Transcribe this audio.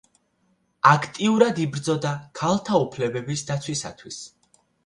აქტიურად იბრძოდა ქალთა უფლებების დაცვისათვის.